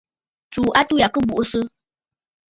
Tsuu atû ya kɨ buʼusə.